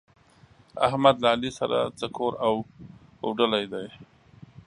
احمد له علي سره څه کور اوډلی دی؟!